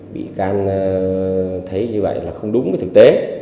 bị can thấy như vậy là không đúng với thực tế